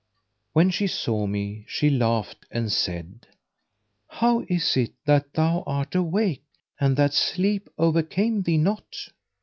" When she saw me she laughed and said, "How is it that thou art awake and that sleep overcame thee not?